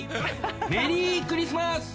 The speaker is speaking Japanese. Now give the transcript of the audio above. メリークリスマス。